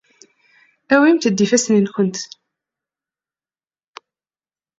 Awimt-d ifassen-nwent.